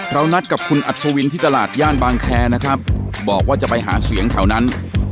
นัดกับคุณอัศวินที่ตลาดย่านบางแคร์นะครับบอกว่าจะไปหาเสียงแถวนั้น